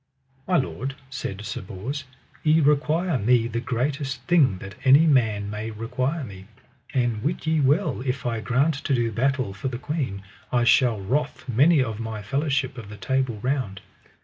My lord, said Sir Bors, ye require me the greatest thing that any man may require me; and wit ye well if I grant to do battle for the queen I shall wrath many of my fellowship of the Table Round.